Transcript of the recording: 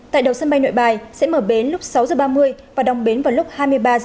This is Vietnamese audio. tại đầu sân bay nội bài sẽ mở bến lúc sáu h ba mươi và đồng bến vào lúc hai mươi ba h